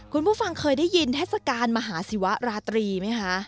คุณผู้ฟังเคยได้ยินเทศกาลมหาศิวะราตรีไหมคะ